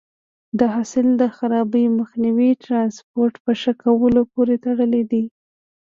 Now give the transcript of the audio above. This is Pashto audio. د حاصل د خرابي مخنیوی د ټرانسپورټ په ښه کولو پورې تړلی دی.